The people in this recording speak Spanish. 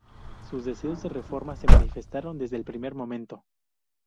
Sus deseos de reforma se manifestaron desde el primer momento.